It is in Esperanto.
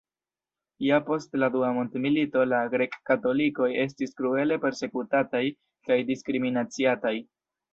Ja post la dua mondmilito la grek-katolikoj estis kruele persekutataj kaj diskriminaciataj.